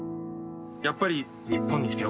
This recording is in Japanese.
やっぱり日本に来てよかった。